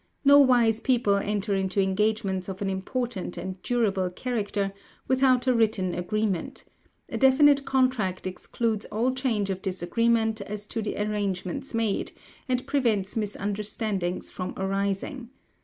No wise people enter into engagements of an important and durable character without a written agreement; a definite contract excludes all chance of disagreement as to the arrangements made, and prevents misunderstandings from arising.